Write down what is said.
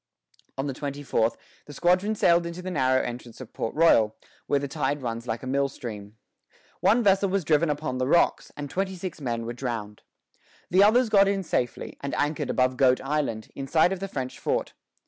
On the twenty fourth the squadron sailed into the narrow entrance of Port Royal, where the tide runs like a mill stream. One vessel was driven upon the rocks, and twenty six men were drowned. The others got in safely, and anchored above Goat Island, in sight of the French fort.